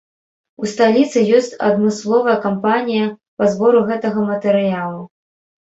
У сталіцы ёсць адмысловая кампанія па збору гэтага матэрыялу.